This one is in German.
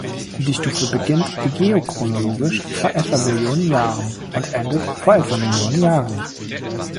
Die Stufe beginnt geochronologisch vor etwa Millionen Jahren und endet vor etwa Millionen Jahren.